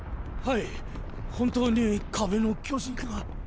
はい本当に壁の巨人が？